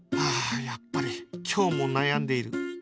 ああやっぱり今日も悩んでいる